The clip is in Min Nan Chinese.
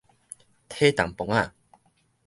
體重磅仔